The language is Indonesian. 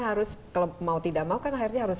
harus kalau mau tidak mau kan akhirnya harus